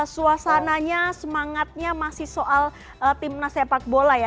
suasananya semangatnya masih soal timnas sepak bola ya